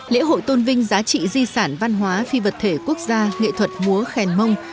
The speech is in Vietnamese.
lễ hội tôn vinh giá trị di sản văn hóa phi vật thể quốc gia nghệ thuật múa khen mông